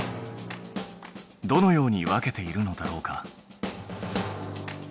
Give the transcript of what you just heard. どのように分けているのだろうか？